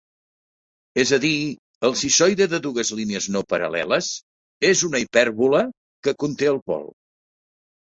És a dir, el cissoide de dues línies no paral·leles és una hipèrbola que conté el pol.